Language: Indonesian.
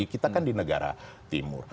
kita kan di negara timur